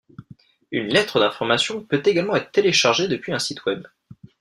Une lettre d'information peut également être téléchargée depuis un site web.